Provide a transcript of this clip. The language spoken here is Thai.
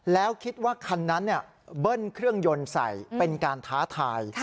แล้วคิดว่าคันนั้นเบิ้ลเครื่องยนต์ใส่เป็นการท้าทาย